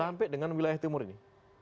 sampai dengan wilayah timur ini